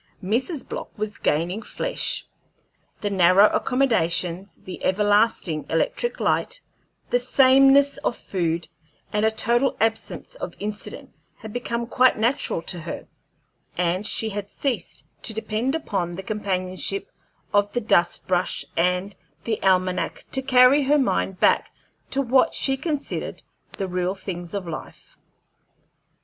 Mrs. Block was gaining flesh. The narrow accommodations, the everlasting electric light, the sameness of food, and a total absence of incident had become quite natural to her, and she had ceased to depend upon the companionship of the dust brush and the almanac to carry her mind back to what she considered the real things of life.